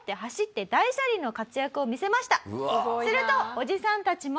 するとおじさんたちも。